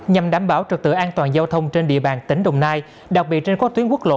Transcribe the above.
nhằm đảm bảo trực tự an toàn giao thông trên địa bàn tỉnh đồng nai đặc biệt trên các tuyến quốc lộ